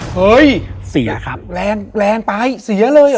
เฮ้ยแรงไปเสียเลยเหรอ